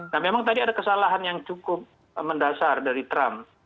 nah memang tadi ada kesalahan yang cukup mendasar dari trump